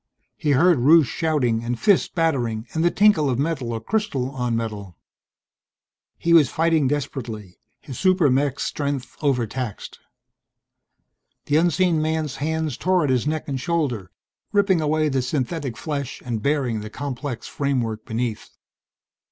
He heard Rusche shouting and fists battering and the tinkle of metal or crystal on metal. He was fighting desperately, his super mech's strength overtaxed. The unseen man's hands tore at his neck and shoulder, ripping away the synthetic flesh and baring the complex framework beneath.